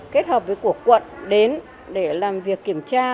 kết hợp với của quận đến để làm việc kiểm tra